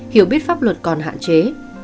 hiểu biết pháp luật còn hạn chế